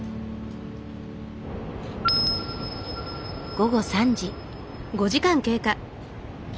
午後３時。